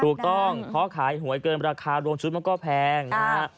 ถูกต้องเพราะขายหวยเกินราคารวมชุดมันก็แพงนะฮะ